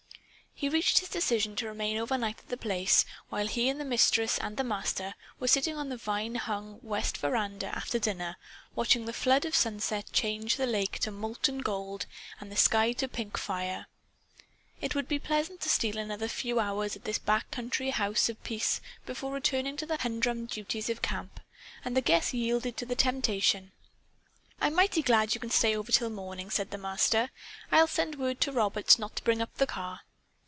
He reached his decision to remain over night at The Place while he and the Mistress and the Master were sitting on the vine hung west veranda after dinner, watching the flood of sunset change the lake to molten gold and the sky to pink fire. It would be pleasant to steal another few hours at this back country House of Peace before returning to the humdrum duties of camp. And the guest yielded to the temptation. "I'm mighty glad you can stay over till morning," said the Master. "I'll send word to Roberts not to bring up the car."